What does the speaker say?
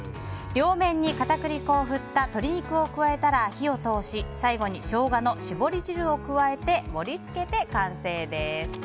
両面に片栗粉を振った鶏肉を加えたら火を通し、最後にショウガの搾り汁を加えて盛り付けて完成です。